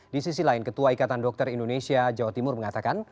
di sisi lain ketua ikatan dokter indonesia jawa timur mengatakan